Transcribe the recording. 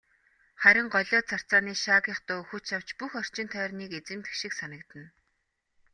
Харин голио царцааны шаагих дуу хүч авч бүх орчин тойрныг эзэмдэх шиг санагдана.